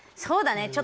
そうだね。